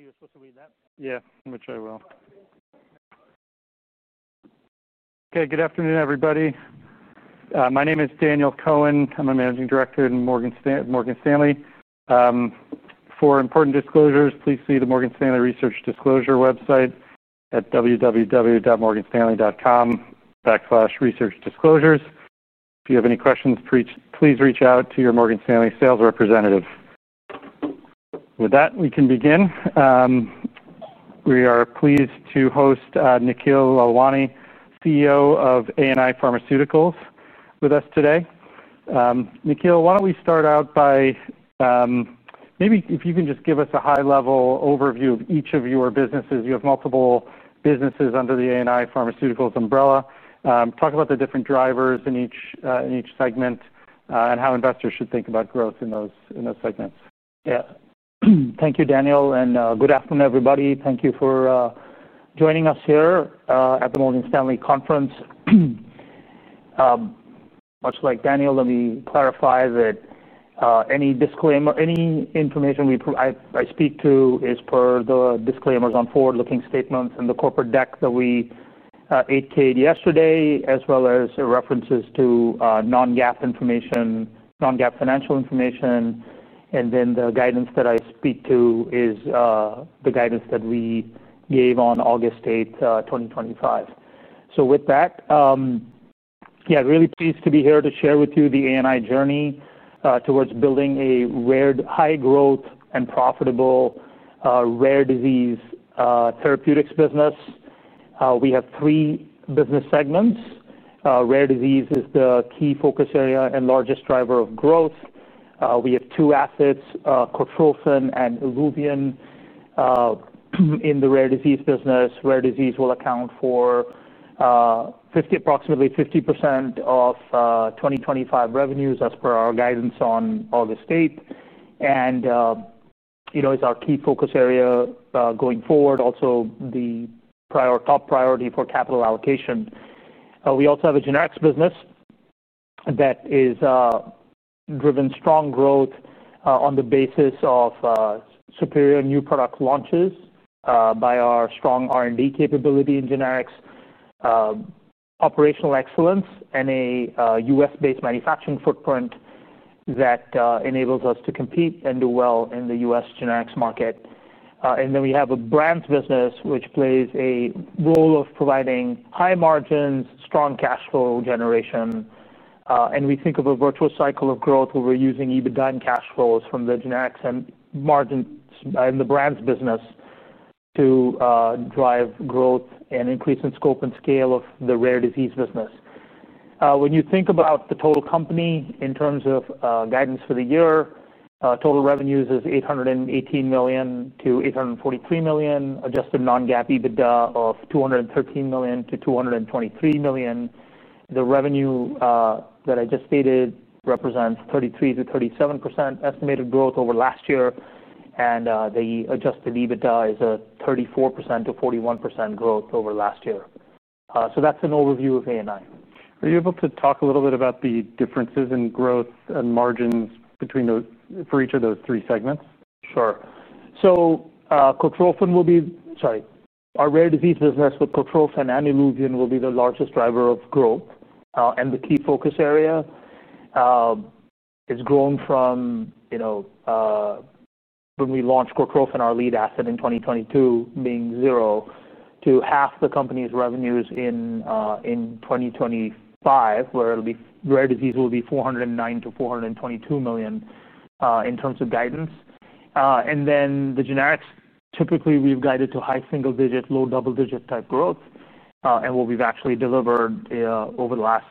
Oh, you're supposed to read that? Okay, good afternoon, everybody. My name is Daniel Cohen. I'm a Managing Director in Morgan Stanley. For important disclosures, please see the Morgan Stanley Research Disclosure website at www.morganstanley.com/researchdisclosures. If you have any questions, please reach out to your Morgan Stanley sales representative. With that, we can begin. We are pleased to host Nikhil Lalwani, CEO of ANI Pharmaceuticals, with us today. Nikhil, why don't we start out by, maybe if you can just give us a high-level overview of each of your businesses. You have multiple businesses under the ANI Pharmaceuticals umbrella. Talk about the different drivers in each segment, and how investors should think about growth in those segments. Yeah. Thank you, Daniel, and good afternoon, everybody. Thank you for joining us here at the Morgan Stanley Conference. Much like Daniel, let me clarify that any disclaimer, any information I speak to is per the disclaimers on forward-looking statements and the corporate deck that we APKed yesterday, as well as references to non-GAAP information, non-GAAP financial information. The guidance that I speak to is the guidance that we gave on August 8, 2025. With that, yeah, really pleased to be here to share with you the ANI journey towards building a rare, high-growth, and profitable rare disease therapeutics business. We have three business segments. Rare disease is the key focus area and largest driver of growth. We have two assets, Cortrosyn and ILUVIEN, in the rare disease business. Rare disease will account for approximately 50% of 2025 revenues as per our guidance on August 8. You know it's our key focus area going forward, also the top priority for capital allocation. We also have a generics business that has driven strong growth on the basis of superior new product launches by our strong R&D capability in generics, operational excellence, and a U.S.-based manufacturing footprint that enables us to compete and do well in the U.S. generics market. We have a brands business, which plays a role of providing high margins, strong cash flow generation. We think of a virtual cycle of growth where we're using EBITDA and cash flows from the generics and margins in the brands business to drive growth and increase in scope and scale of the rare disease business. When you think about the total company in terms of guidance for the year, total revenues is $818 million to $843 million, adjusted non-GAAP EBITDA of $213 million to $223 million. The revenue that I just stated represents 33% to 37% estimated growth over last year, and the adjusted EBITDA is a 34% to 41% growth over last year. That's an overview of ANI. Are you able to talk a little bit about the differences in growth and margins between each of those three segments? Sure. Cortrosyn will be, sorry, our rare disease business with Cortrosyn and ILUVIEN will be the largest driver of growth and the key focus area. It's grown from, you know, when we launched Cortrosyn, our lead asset in 2022, being zero, to half the company's revenues in 2025, where it'll be rare disease will be $409 million to $422 million in terms of guidance. The generics, typically, we've guided to high single-digit, low double-digit type growth. What we've actually delivered over the last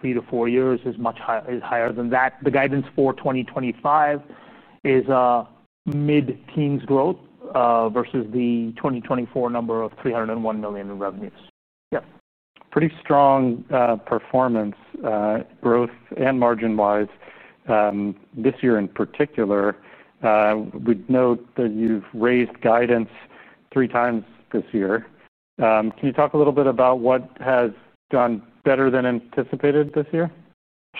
three to four years is much higher than that. The guidance for 2025 is a mid-teens growth versus the 2024 number of $301 million in revenues. Yes. Pretty strong performance, growth and margin-wise, this year in particular. We'd note that you've raised guidance three times this year. Can you talk a little bit about what has gone better than anticipated this year?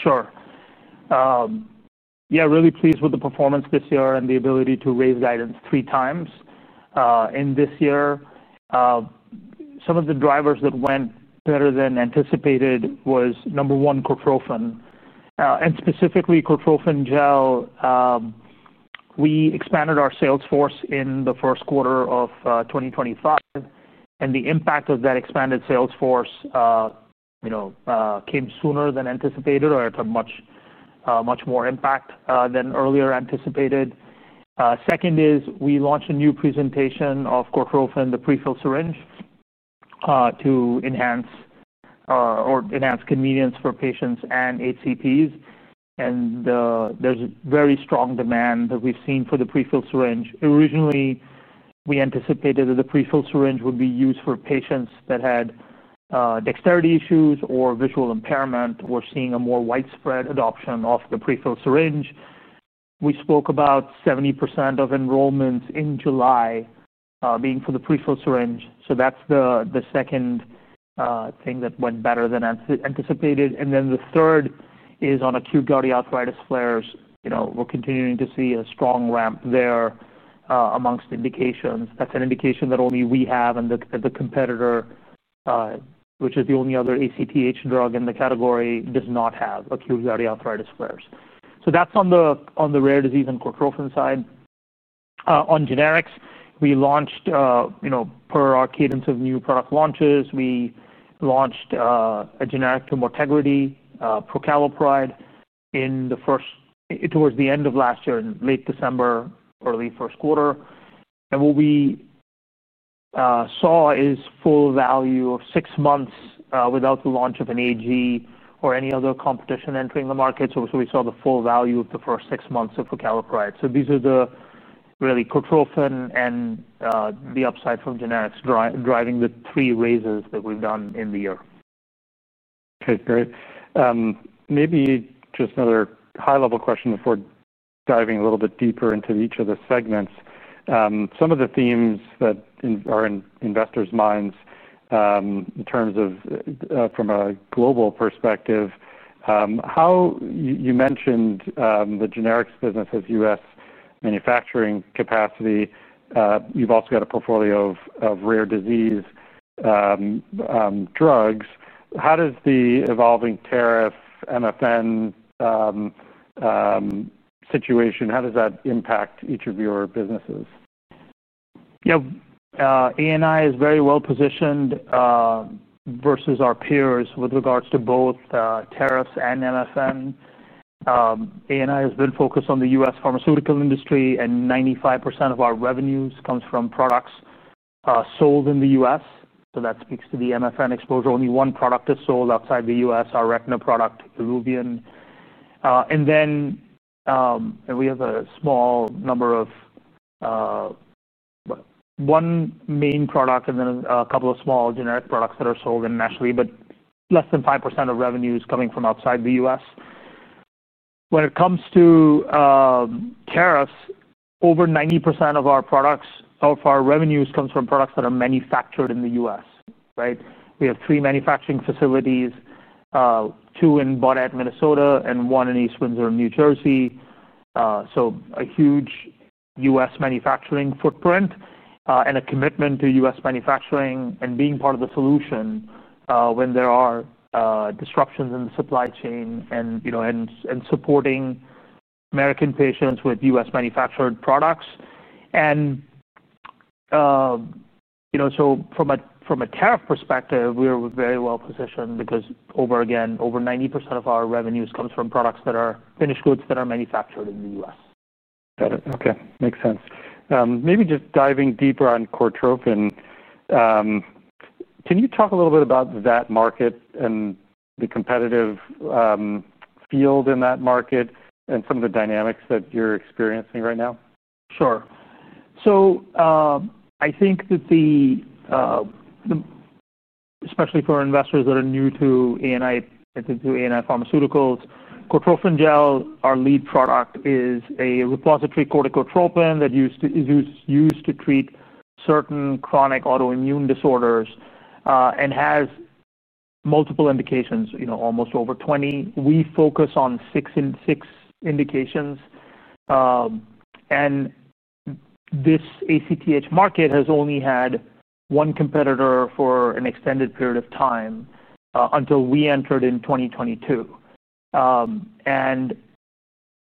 Sure. Yeah, really pleased with the performance this year and the ability to raise guidance three times. This year, some of the drivers that went better than anticipated were number one, Cortrosyn. Specifically, Cortrosyn gel, we expanded our sales force in the first quarter of 2025. The impact of that expanded sales force came sooner than anticipated, or it's a much more impact than earlier anticipated. Second is we launched a new presentation of Cortrosyn, the prefilled syringe, to enhance convenience for patients and HCPs. There is a very strong demand that we've seen for the prefilled syringe. Originally, we anticipated that the prefilled syringe would be used for patients that had dexterity issues or visual impairment. We're seeing a more widespread adoption of the prefilled syringe. We spoke about 70% of enrollments in July being for the prefilled syringe. That's the second thing that went better than anticipated. The third is on acute gouty arthritis flares. We're continuing to see a strong ramp there amongst indications. That's an indication that only we have and that the competitor, which is the only other ACTH drug in the category, does not have acute gouty arthritis flares. That's on the rare disease and Cortrosyn side. On generics, per our cadence of new product launches, we launched a generic to Motegrity, prucalopride, towards the end of last year, in late December, early first quarter. What we saw is full value of six months without the launch of an AG or any other competition entering the market. We saw the full value of the first six months of prucalopride. These are really Cortrosyn and the upside from generics driving the three raises that we've done in the year. Okay, great. Maybe just another high-level question before diving a little bit deeper into each of the segments. Some of the themes that are in investors' minds, in terms of from a global perspective, how you mentioned the generics business of U.S. manufacturing capacity. You've also got a portfolio of rare disease drugs. How does the evolving tariff, MFN situation, how does that impact each of your businesses? Yeah. ANI is very well positioned versus our peers with regards to both tariffs and MFN. ANI has been focused on the U.S. pharmaceutical industry, and 95% of our revenues come from products sold in the U.S. That speaks to the MFN exposure. Only one product is sold outside the U.S., our retina product, ILUVIEN. We have a small number of one main product and then a couple of small generic products that are sold internationally, but less than 5% of revenues coming from outside the U.S. When it comes to tariffs, over 90% of our revenues comes from products that are manufactured in the U.S., right? We have three manufacturing facilities, two in Baudette, Minnesota, and one in East Windsor, New Jersey. A huge U.S. manufacturing footprint and a commitment to U.S. manufacturing and being part of the solution when there are disruptions in the supply chain and supporting American patients with U.S. manufactured products. From a tariff perspective, we're very well positioned because, again, over 90% of our revenues come from products that are finished goods that are manufactured in the U.S. Got it. Okay. Makes sense. Maybe just diving deeper on Cortrosyn, can you talk a little bit about that market, the competitive field in that market, and some of the dynamics that you're experiencing right now? Sure. So I think that, especially for investors that are new to ANI Pharmaceuticals, Cortrosyn Gel, our lead product, is a repository corticotropin that is used to treat certain chronic autoimmune disorders and has multiple indications, you know, almost over 20. We focus on six indications. This ACTH market has only had one competitor for an extended period of time until we entered in 2022.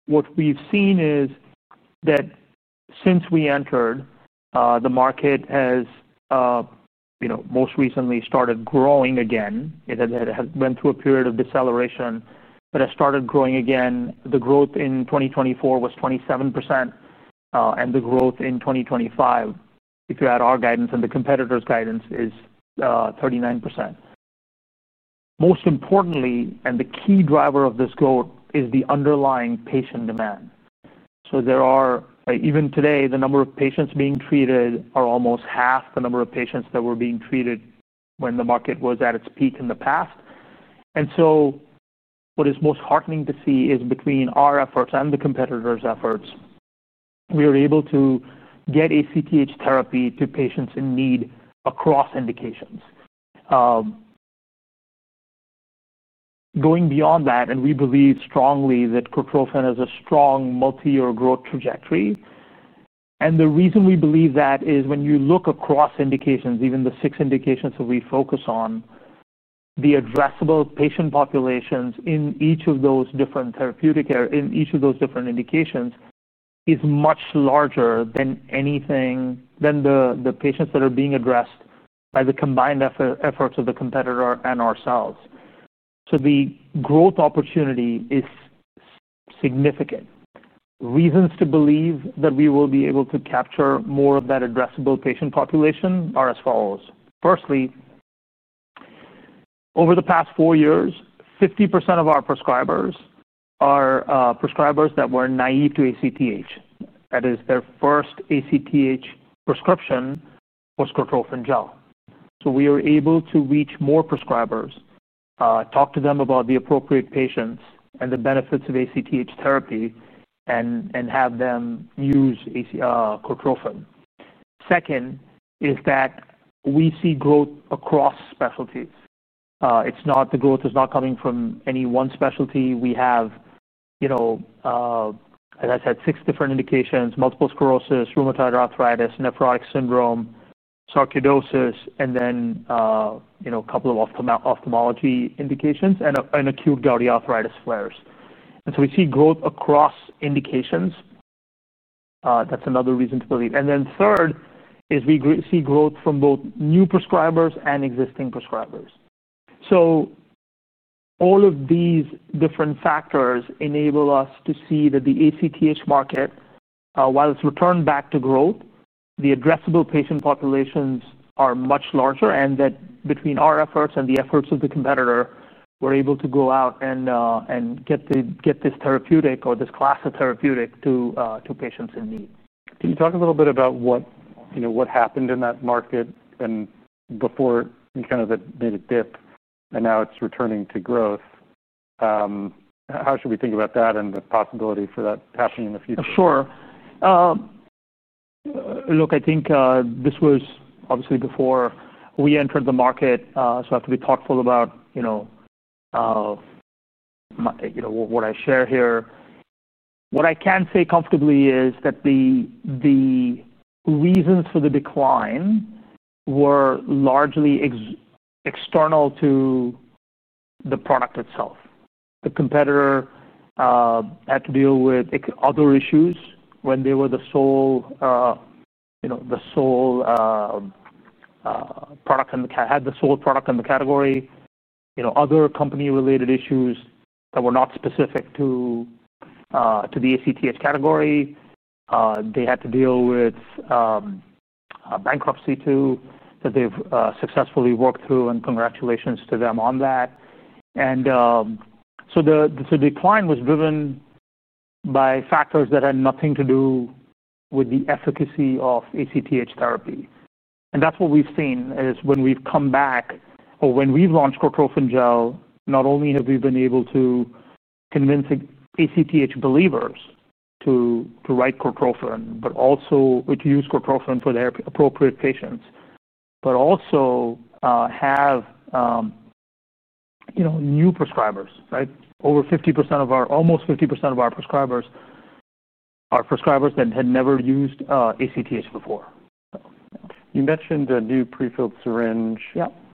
What we've seen is that since we entered, the market has most recently started growing again. It has been through a period of deceleration, but has started growing again. The growth in 2024 was 27%, and the growth in 2025, if you add our guidance and the competitor's guidance, is 39%. Most importantly, the key driver of this growth is the underlying patient demand. Even today, the number of patients being treated is almost half the number of patients that were being treated when the market was at its peak in the past. What is most heartening to see is between our efforts and the competitor's efforts, we are able to get ACTH therapy to patients in need across indications. Going beyond that, we believe strongly that Cortrosyn has a strong multi-year growth trajectory. The reason we believe that is when you look across indications, even the six indications that we focus on, the addressable patient populations in each of those different therapeutic areas, in each of those different indications, is much larger than anything than the patients that are being addressed by the combined efforts of the competitor and ourselves. The growth opportunity is significant. Reasons to believe that we will be able to capture more of that addressable patient population are as follows. Firstly, over the past four years, 50% of our prescribers are prescribers that were naive to ACTH. That is, their first ACTH prescription was Cortrosyn Gel. We are able to reach more prescribers, talk to them about the appropriate patients and the benefits of ACTH therapy, and have them use Cortrosyn. Second is that we see growth across specialties. The growth is not coming from any one specialty. We have, you know, as I said, six different indications: multiple sclerosis, rheumatoid arthritis, nephrotic syndrome, sarcoidosis, and then a couple of ophthalmology indications and acute gouty arthritis flares. We see growth across indications. That's another reason to believe. Third is we see growth from both new prescribers and existing prescribers. All of these different factors enable us to see that the ACTH market, while it's returned back to growth, the addressable patient populations are much larger, and that between our efforts and the efforts of the competitor, we're able to go out and get this therapeutic or this class of therapeutic to patients in need. Can you talk a little bit about what happened in that market before you kind of made a dip and now it's returning to growth? How should we think about that and the possibility for that happening in the future? Sure. Look, I think this was obviously before we entered the market. I have to be thoughtful about what I share here. What I can say comfortably is that the reasons for the decline were largely external to the product itself. The competitor had to deal with other issues when they were the sole product and had the sole product in the category. There were other company-related issues that were not specific to the ACTH category. They had to deal with bankruptcy too that they've successfully worked through, and congratulations to them on that. The decline was driven by factors that had nothing to do with the efficacy of ACTH therapy. That's what we've seen is when we've come back or when we've launched Cortrosyn gel, not only have we been able to convince ACTH believers to write Cortrosyn, but also to use Cortrosyn for their appropriate patients. We also have new prescribers, right? Almost 50% of our prescribers are prescribers that had never used ACTH before. You mentioned a new prefilled syringe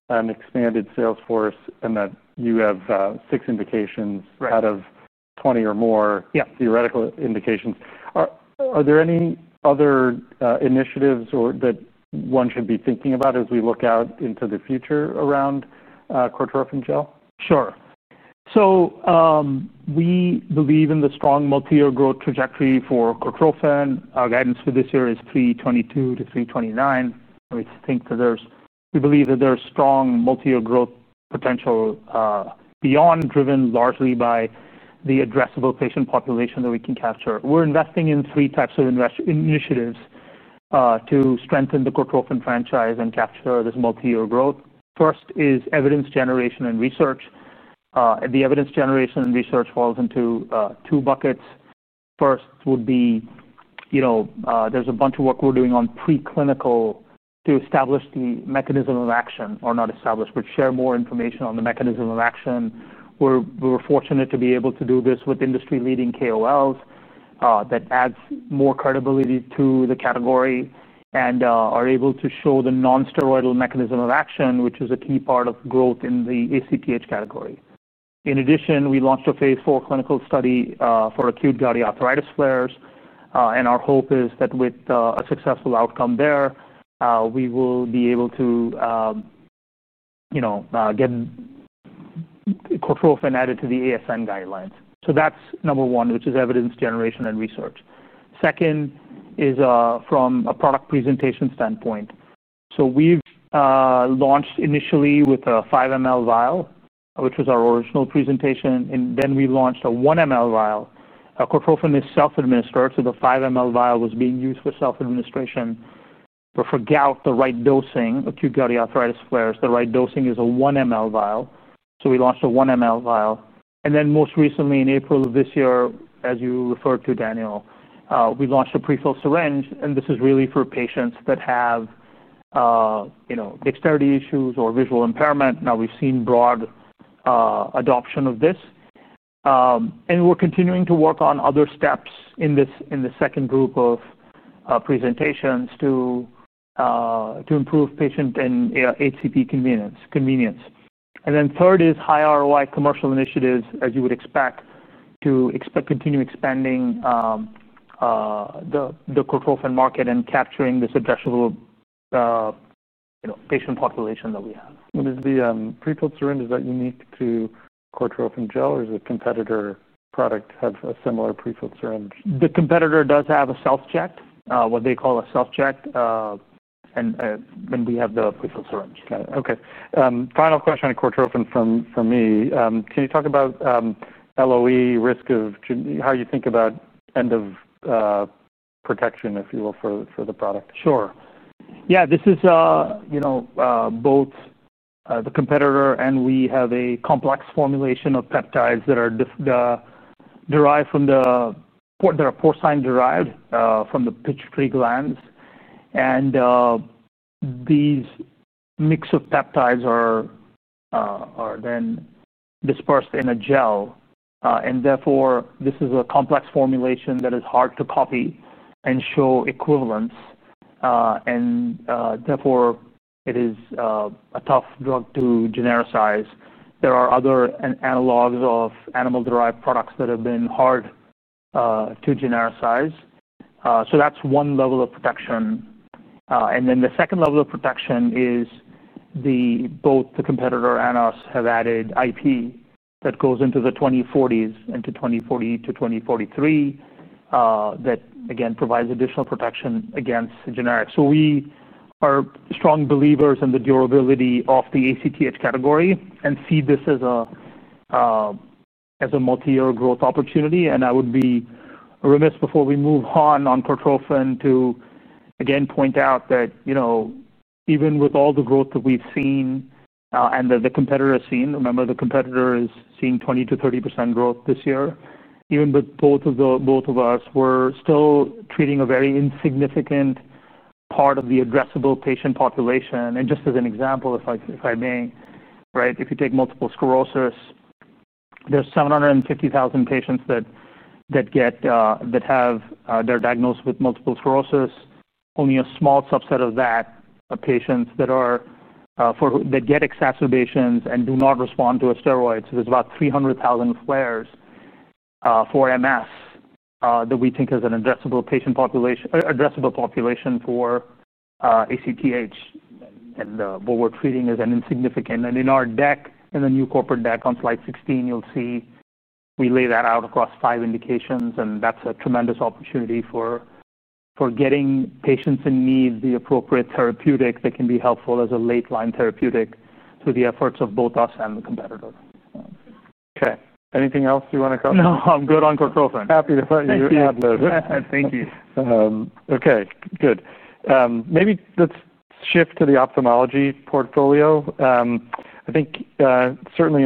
and expanded sales force and that you have six indications out of 20 or more theoretical indications. Are there any other initiatives that one should be thinking about as we look out into the future around Purified Cortrophin Gel? Sure. We believe in the strong multi-year growth trajectory for Cortrosyn. Our guidance for this year is $322 million to $329 million. We think that there's strong multi-year growth potential beyond, driven largely by the addressable patient population that we can capture. We're investing in three types of initiatives to strengthen the Cortrosyn franchise and capture this multi-year growth. First is evidence generation and research. The evidence generation and research falls into two buckets. First would be, there's a bunch of work we're doing on preclinical to establish the mechanism of action, or not establish, but share more information on the mechanism of action. We were fortunate to be able to do this with industry-leading KOLs that add more credibility to the category and are able to show the non-steroidal mechanism of action, which is a key part of growth in the ACTH category. In addition, we launched a phase four clinical study for acute gouty arthritis flares, and our hope is that with a successful outcome there, we will be able to get Cortrosyn added to the ASN guidelines. That's number one, which is evidence generation and research. Second is from a product presentation standpoint. We've launched initially with a 5 mL vial, which was our original presentation, and then we launched a 1 mL vial. Cortrosyn is self-administered, so the 5 mL vial was being used for self-administration. For gout, the right dosing, acute gouty arthritis flares, the right dosing is a 1 mL vial, so we launched a 1 mL vial. Most recently in April of this year, as you referred to, Daniel, we launched a prefilled syringe, and this is really for patients that have dexterity issues or visual impairment. Now we've seen broad adoption of this. We're continuing to work on other steps in this second group of presentations to improve patient and HCP convenience. Third is high ROI commercial initiatives, as you would expect, to continue expanding the Cortrosyn market and capturing this addressable patient population that we have. What is the prefilled syringe? Is that unique to Cortrosyn gel, or does the competitor product have a similar prefilled syringe? The competitor does have a self-check, what they call a self-check, and we have the prefilled syringe. Got it. Okay. Final question on Cortrosyn from me. Can you talk about LOE, risk of how you think about end-of-protection, if you will, for the product? Sure. Yeah, this is, you know, both the competitor and we have a complex formulation of peptides that are porcine-derived from the pituitary glands. These mix of peptides are then dispersed in a gel. Therefore, this is a complex formulation that is hard to copy and show equivalence. It is a tough drug to genericize. There are other analogs of animal-derived products that have been hard to genericize. That's one level of protection. The second level of protection is both the competitor and us have added IP that goes into the 2040s, into 2040 to 2043, that again provides additional protection against generics. We are strong believers in the durability of the ACTH category and see this as a multi-year growth opportunity. I would be remiss before we move on on Cortrosyn to again point out that, you know, even with all the growth that we've seen and that the competitor has seen, remember the competitor has seen 20% to 30% growth this year, even with both of us, we're still treating a very insignificant part of the addressable patient population. Just as an example, if I may, right, if you take multiple sclerosis, there's 750,000 patients that are diagnosed with multiple sclerosis. Only a small subset of patients are those who get exacerbations and do not respond to a steroid. There's about 300,000 flares for MS that we think is an addressable patient population for ACTH. What we're treating is insignificant. In our deck, in the new corporate deck on slide 16, you'll see we lay that out across five indications. That's a tremendous opportunity for getting patients in need the appropriate therapeutic that can be helpful as a late-line therapeutic to the efforts of both us and the competitor. Okay. Anything else you want to cover? No, I'm good on Cortrosyn. Happy to partner. Thank you. Okay. Good. Maybe let's shift to the ophthalmology portfolio. I think certainly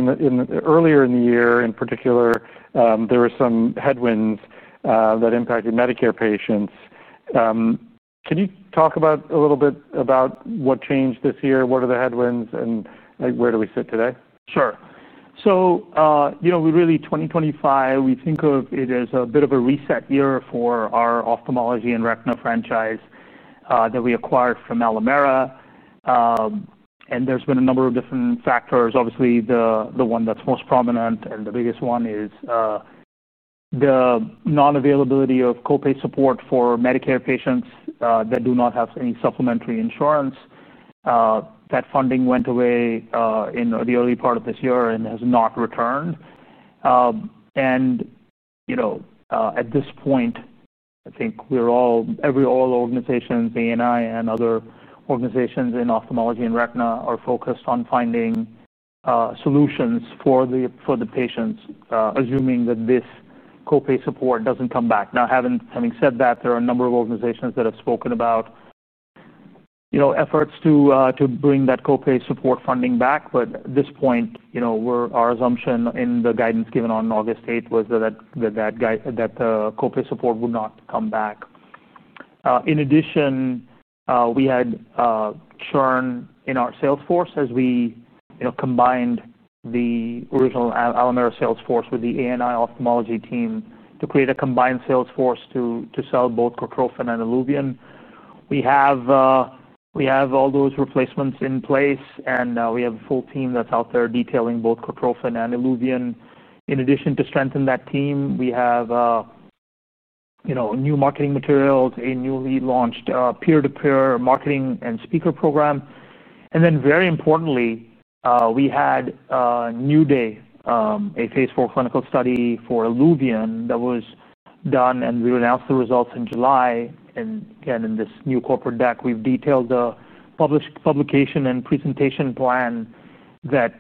earlier in the year, in particular, there were some headwinds that impacted Medicare patients. Can you talk a little bit about what changed this year? What are the headwinds and where do we sit today? Sure. So, you know, we really, 2025, we think of it as a bit of a reset year for our ophthalmology and retina franchise that we acquired from Alimera. There's been a number of different factors. Obviously, the one that's most prominent and the biggest one is the non-availability of copay support for Medicare patients that do not have any supplementary insurance. That funding went away in the early part of this year and has not returned. At this point, I think we're all, all organizations, ANI and other organizations in ophthalmology and retina are focused on finding solutions for the patients, assuming that this copay support doesn't come back. Having said that, there are a number of organizations that have spoken about efforts to bring that copay support funding back. At this point, our assumption in the guidance given on August 8th was that the copay support would not come back. In addition, we had churn in our sales force as we combined the original Alimera sales force with the ANI ophthalmology team to create a combined sales force to sell both Cortrosyn and ILUVIEN. We have all those replacements in place, and we have a full team that's out there detailing both Cortrosyn and ILUVIEN. In addition to strengthening that team, we have new marketing materials, a newly launched peer-to-peer marketing and speaker program. Very importantly, we had New Day, a phase four clinical study for ILUVIEN that was done, and we announced the results in July. In this new corporate deck, we've detailed the publication and presentation plan where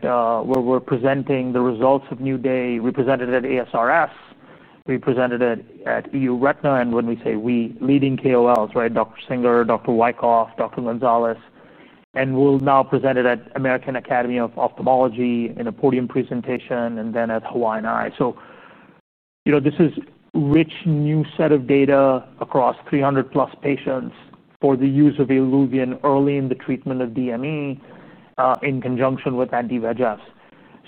we're presenting the results of New Day. We presented it at ASRS. We presented it at EU Retina. When we say we, leading KOLs, right, Dr. Singer, Dr. Wykoff, Dr. Gonzalez, and we'll now present it at American Academy of Ophthalmology in a podium presentation and then at Hawaiian Eye. This is a rich new set of data across 300-plus patients for the use of ILUVIEN early in the treatment of DME in conjunction with anti-VEGF.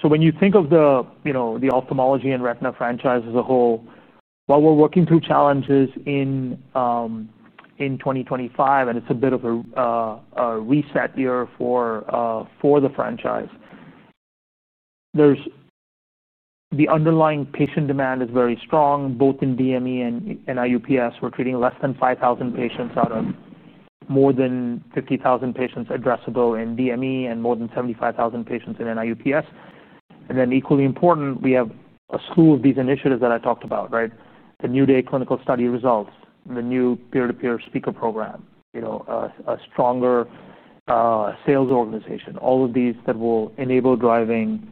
When you think of the ophthalmology and retina franchise as a whole, while we're working through challenges in 2025, and it's a bit of a reset year for the franchise, the underlying patient demand is very strong, both in DME and NIUPS. We're treating less than 5,000 patients out of more than 50,000 patients addressable in DME and more than 75,000 patients in NIUPS. Equally important, we have a slew of these initiatives that I talked about, right? The New Day clinical study results, the new peer-to-peer speaker program, a stronger sales organization, all of these that will enable driving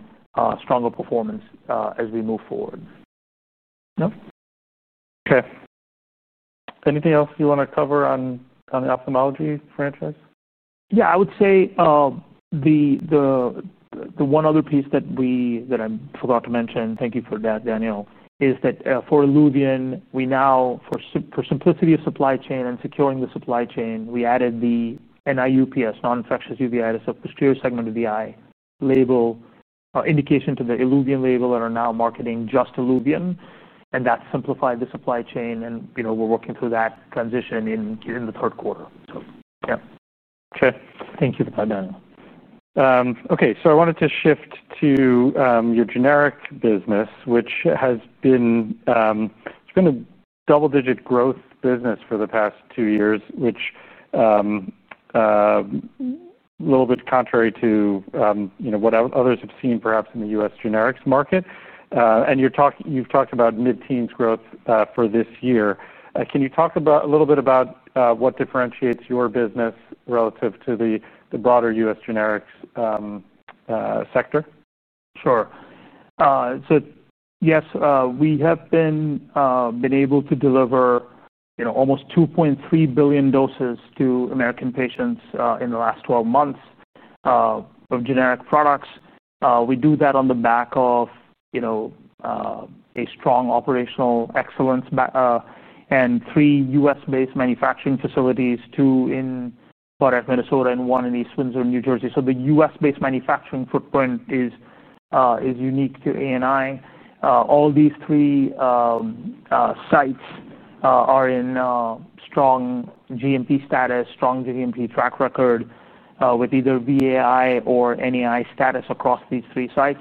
stronger performance as we move forward. Okay. Anything else you want to cover on the ophthalmology franchise? Yeah, I would say the one other piece that I forgot to mention, thank you for that, Daniel, is that for ILUVIEN, we now, for simplicity of supply chain and securing the supply chain, we added the Non-Infectious Uveitis of Posterior Segment of the Eye label indication to the ILUVIEN label that are now marketing just ILUVIEN. That simplified the supply chain, and you know, we're working through that transition in the third quarter. Thank you for that, Daniel. I wanted to shift to your generic business, which has been a double-digit growth business for the past two years, which is a little bit contrary to what others have seen perhaps in the U.S. generics market. You've talked about mid-teens growth for this year. Can you talk a little bit about what differentiates your business relative to the broader U.S. generics sector? Sure. Yes, we have been able to deliver almost 2.3 billion doses to American patients in the last 12 months of generic products. We do that on the back of strong operational excellence and three U.S.-based manufacturing facilities, two in Baudette, Minnesota, and one in East Windsor, New Jersey. The U.S.-based manufacturing footprint is unique to ANI. All these three sites are in strong GMP status, strong GMP track record with either VAI or NAI status across these three sites.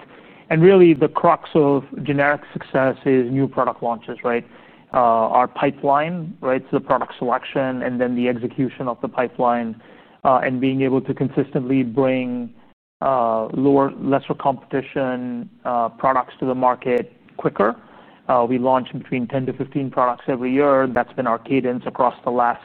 Really, the crux of generic success is new product launches, right? Our pipeline, the product selection and then the execution of the pipeline and being able to consistently bring lower, lesser competition products to the market quicker. We launch between 10 to 15 products every year. That's been our cadence across the last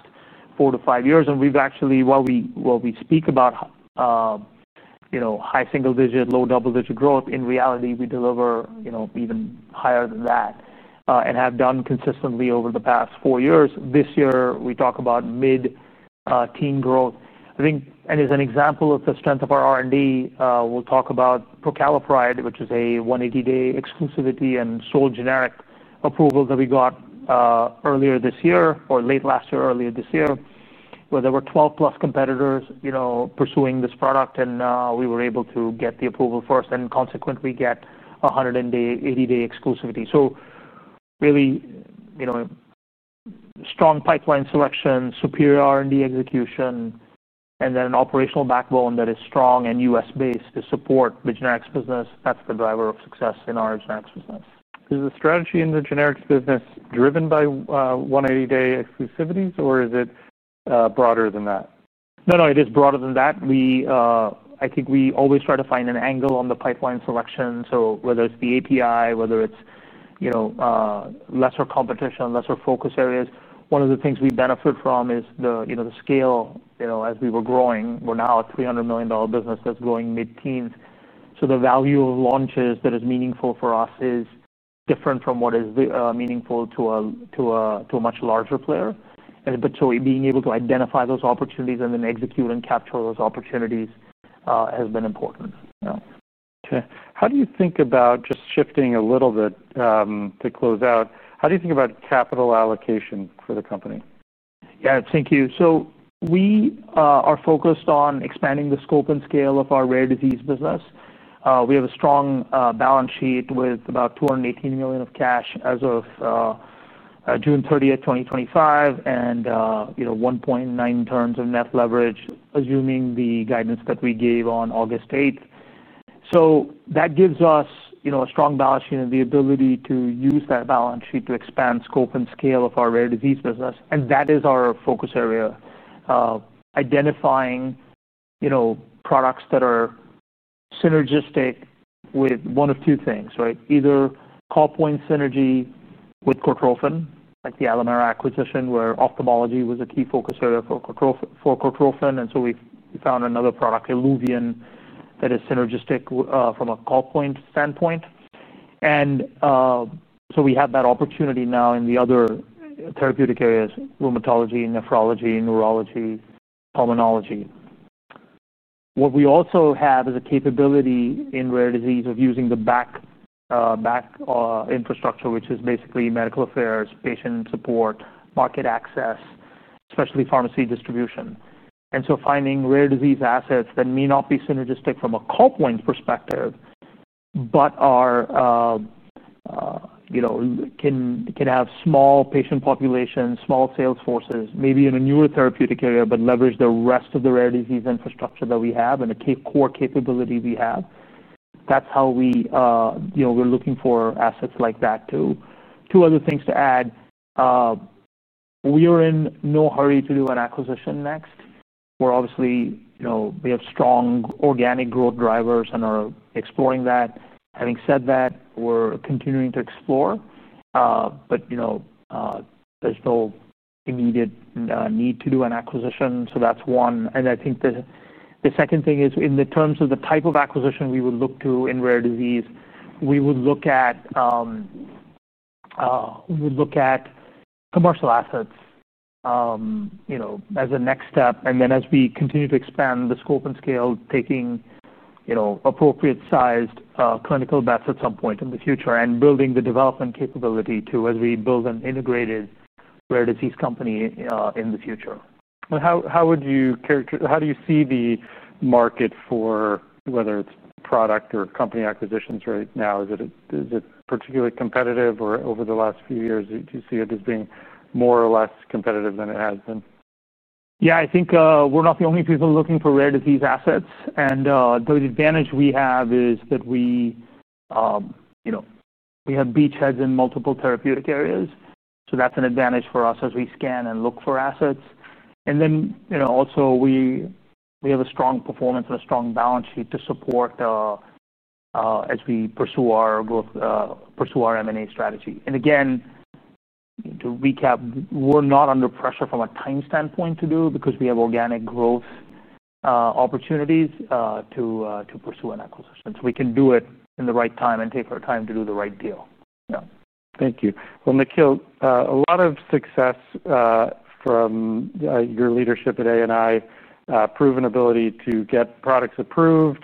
four to five years. We've actually, while we speak about high single-digit, low double-digit growth, in reality, we deliver even higher than that and have done consistently over the past four years. This year, we talk about mid-teens growth. I think, and as an example of the strength of our R&D, we'll talk about Prucalopride, which is a 180-day exclusivity and sole generic approval that we got earlier this year or late last year, earlier this year, where there were 12-plus competitors pursuing this product. We were able to get the approval first and consequently get 180-day exclusivity. Really, strong pipeline selection, superior R&D execution, and then an operational backbone that is strong and U.S.-based to support the generics business. That's the driver of success in our generics business. Is the strategy in the generics business driven by 180-day exclusivities, or is it broader than that? No, it is broader than that. I think we always try to find an angle on the pipeline selection. Whether it's the API, whether it's lesser competition, lesser focus areas, one of the things we benefit from is the scale. As we were growing, we're now a $300 million business that's growing mid-teens. The value of launches that is meaningful for us is different from what is meaningful to a much larger player. Being able to identify those opportunities and then execute and capture those opportunities has been important. Okay. How do you think about, just shifting a little bit to close out, how do you think about capital allocation for the company? Yeah, thank you. We are focused on expanding the scope and scale of our rare disease business. We have a strong balance sheet with about $218 million of cash as of June 30, 2025, and 1.9 times of net leverage, assuming the guidance that we gave on August 8. That gives us a strong balance sheet and the ability to use that balance sheet to expand the scope and scale of our rare disease business. That is our focus area, identifying products that are synergistic with one of two things, right? Either call point synergy with Cortrosyn, like the Alimera Sciences acquisition where ophthalmology was a key focus area for Cortrosyn. We found another product, ILUVIEN, that is synergistic from a call point standpoint. We have that opportunity now in the other therapeutic areas: rheumatology, nephrology, neurology, pulmonology. We also have a capability in rare disease of using the back infrastructure, which is basically medical affairs, patient support, market access, especially pharmacy distribution. Finding rare disease assets that may not be synergistic from a call point perspective, but can have small patient populations, small sales forces, maybe in a newer therapeutic area, but leverage the rest of the rare disease infrastructure that we have and the core capabilities we have. That's how we are looking for assets like that too. Two other things to add. We are in no hurry to do an acquisition next. We have strong organic growth drivers and are exploring that. Having said that, we are continuing to explore. There is no immediate need to do an acquisition. That's one. The second thing is in terms of the type of acquisition we would look to in rare disease, we would look at commercial assets as a next step. As we continue to expand the scope and scale, taking appropriate-sized clinical bets at some point in the future and building the development capability too, as we build an integrated rare disease company in the future. How would you characterize, how do you see the market for whether it's product or company acquisitions right now? Is it particularly competitive, or over the last few years, do you see it as being more or less competitive than it has been? Yeah, I think we're not the only people looking for rare disease assets. The advantage we have is that we have beachheads in multiple therapeutic areas. That's an advantage for us as we scan and look for assets. We have a strong performance and a strong balance sheet to support as we pursue our growth, pursue our M&A strategy. To recap, we're not under pressure from a time standpoint to do because we have organic growth opportunities to pursue an acquisition. We can do it in the right time and take our time to do the right deal. Thank you. Nikhil, a lot of success from your leadership at ANI Pharmaceuticals, proven ability to get products approved,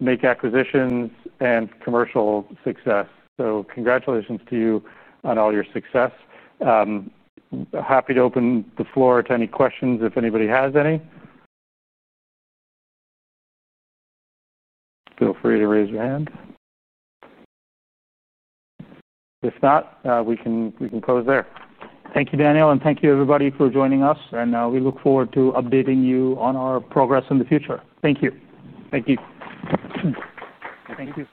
make acquisitions, and commercial success. Congratulations to you on all your success. Happy to open the floor to any questions if anybody has any. Feel free to raise your hand. If not, we can close there. Thank you, Daniel, and thank you, everybody, for joining us. We look forward to updating you on our progress in the future. Thank you. Thank you.